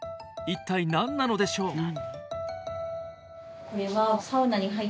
一体何なのでしょう？